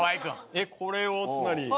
えっこれをつまり。